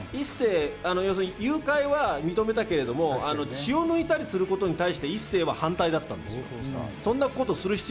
誘拐は認めたけれども、血を抜いたりすることに対して一星は反対だったんですよ、おそらく。